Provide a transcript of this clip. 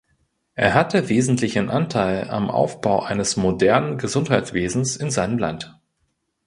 Er hatte wesentlichen Anteil am Aufbau eines modernen Gesundheitswesens in seinem Land.